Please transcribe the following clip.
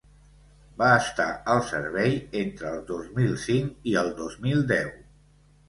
Va estar al servei entre el dos mil cinc i el dos mil deu.